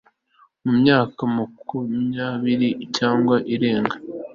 Mu myaka makumyabiri cyangwa irenga